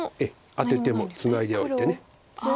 アテてもツナいでおいて。